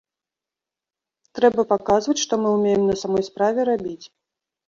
Трэба паказваць, што мы ўмеем на самой справе рабіць.